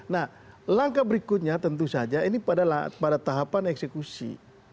nah langkah berikutnya tentu saja ini pada tahapan eksekusi